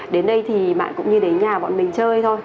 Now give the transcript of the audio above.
đến đây thì bạn cũng như đến nhà bọn mình chơi thôi